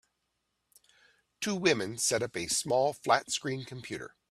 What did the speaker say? Two women set up a small flatscreen computer